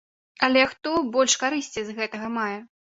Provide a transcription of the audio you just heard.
Але хто больш карысці з гэтага мае?